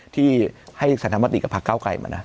ที่ให้สันธรรมตรีกับภักดิ์ก้าวไกลมานะ